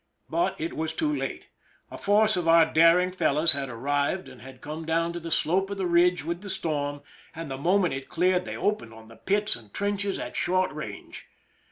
But it was too late. A force of our daring fellows had arrived and had come down to the slope of the ridge with the storm, and the moment it cleared they opened on the pits and trenches at short range.